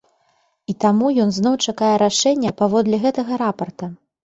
І таму ён зноў чакае рашэння паводле гэтага рапарта.